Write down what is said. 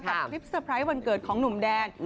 กับคลิปเตอร์ไพรส์วันเกิดของหนุ่มแดน